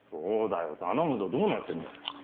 そうだよ頼むぞどうなってんだよ？